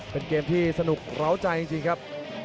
เป็นเกมที่สนุกร้าวใจจริงครับ